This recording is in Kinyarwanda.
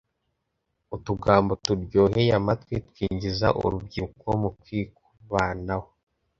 utugambo turyoheye amatwi twinjiza urubyiruka mukwikubanaho